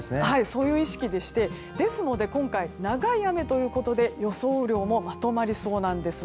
そういう意識でして今回、長い雨ということで予想雨量もまとまりそうです。